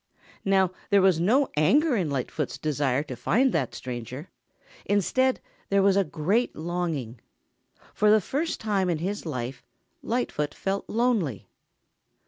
Now there was no anger in Lightfoot's desire to find that stranger. Instead, there was a great longing. For the first time in his life Lightfoot felt lonely.